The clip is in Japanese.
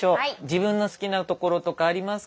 自分の好きなところとかありますか？